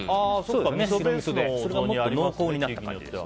それがもっと濃厚になった感じです。